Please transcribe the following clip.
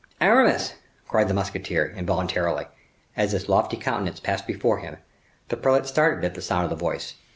"Aramis!" cried the musketeer, involuntarily, as this lofty countenance passed before him. The prelate started at the sound of the voice.